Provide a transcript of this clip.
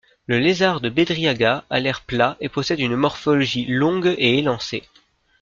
Le Lézard de Bédriaga a l'air plat et possède une morphologie longue et élancée.